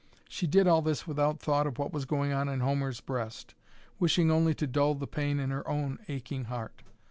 She did all this without thought of what was going on in Homer's breast, wishing only to dull the pain in her own aching heart.